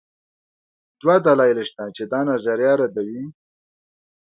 دوه دلایل شته چې دا نظریه ردوي.